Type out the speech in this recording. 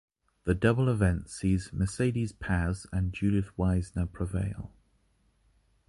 The double event sees Mercedes Paz and Judith Wiesner prevail.